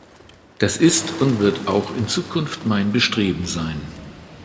Das ist und wird auch in Zukunft mein Bestreben sein.